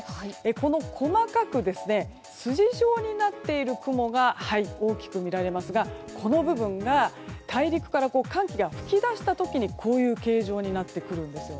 この、細かく筋状になっている雲が大きく見られますがこの部分が大陸から寒気が吹き出した時にこういう形状になるんです。